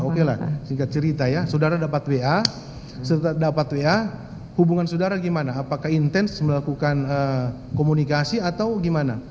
oke lah singkat cerita ya saudara dapat wa setelah dapat wa hubungan saudara gimana apakah intens melakukan komunikasi atau gimana